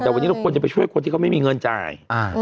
แต่วันนี้เราควรจะไปช่วยคนที่เขาไม่มีเงินจ่าย